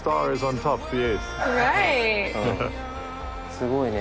すごいね。